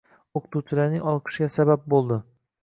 O‘qituvchilarning olqishiga sabab bo‘ldi.